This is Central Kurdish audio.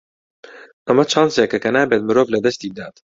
ئەمە چانسێکە کە نابێت مرۆڤ لەدەستی بدات.